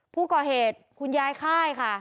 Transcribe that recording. ผู้ก่อเกอร์เหตุคุณยายค่ายค่ะ